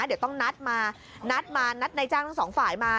เดี๋ยวต้องนัดมานัดมานัดในจ้างทั้งสองฝ่ายมา